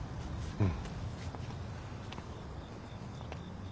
うん。